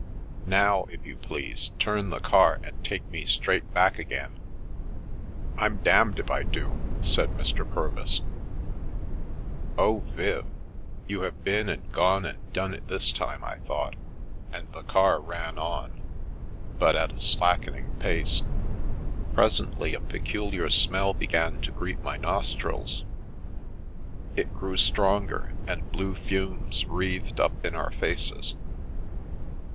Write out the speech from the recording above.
" Now, if you please, turn the car and take me straight back again/' " I'm damned if I do !" said Mr. Purvis. " Oh, Viv, you have been and gone and done it this time/' I thought, and the car ran on, but at a slackening pace. Presently a peculiar smell began to greet my nos trils, it grew stronger, and blue fumes wreathed up in our faces.